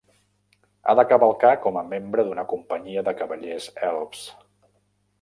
Ha de cavalcar com a membre d'una companyia de cavallers elfs.